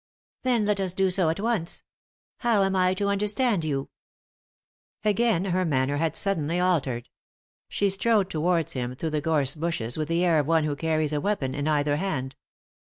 " Then let us do so at once. How am I to under stand you ?" Again her manner had suddenly altered. She strode towards him through the gorse bushes with the air of one who carries a weapon in either hand.